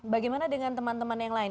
bagaimana dengan teman teman yang lain